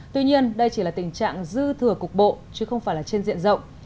tuy nhiên đây chỉ là tình trạng dư thừa cục bộ chứ không phải là trên diện rộng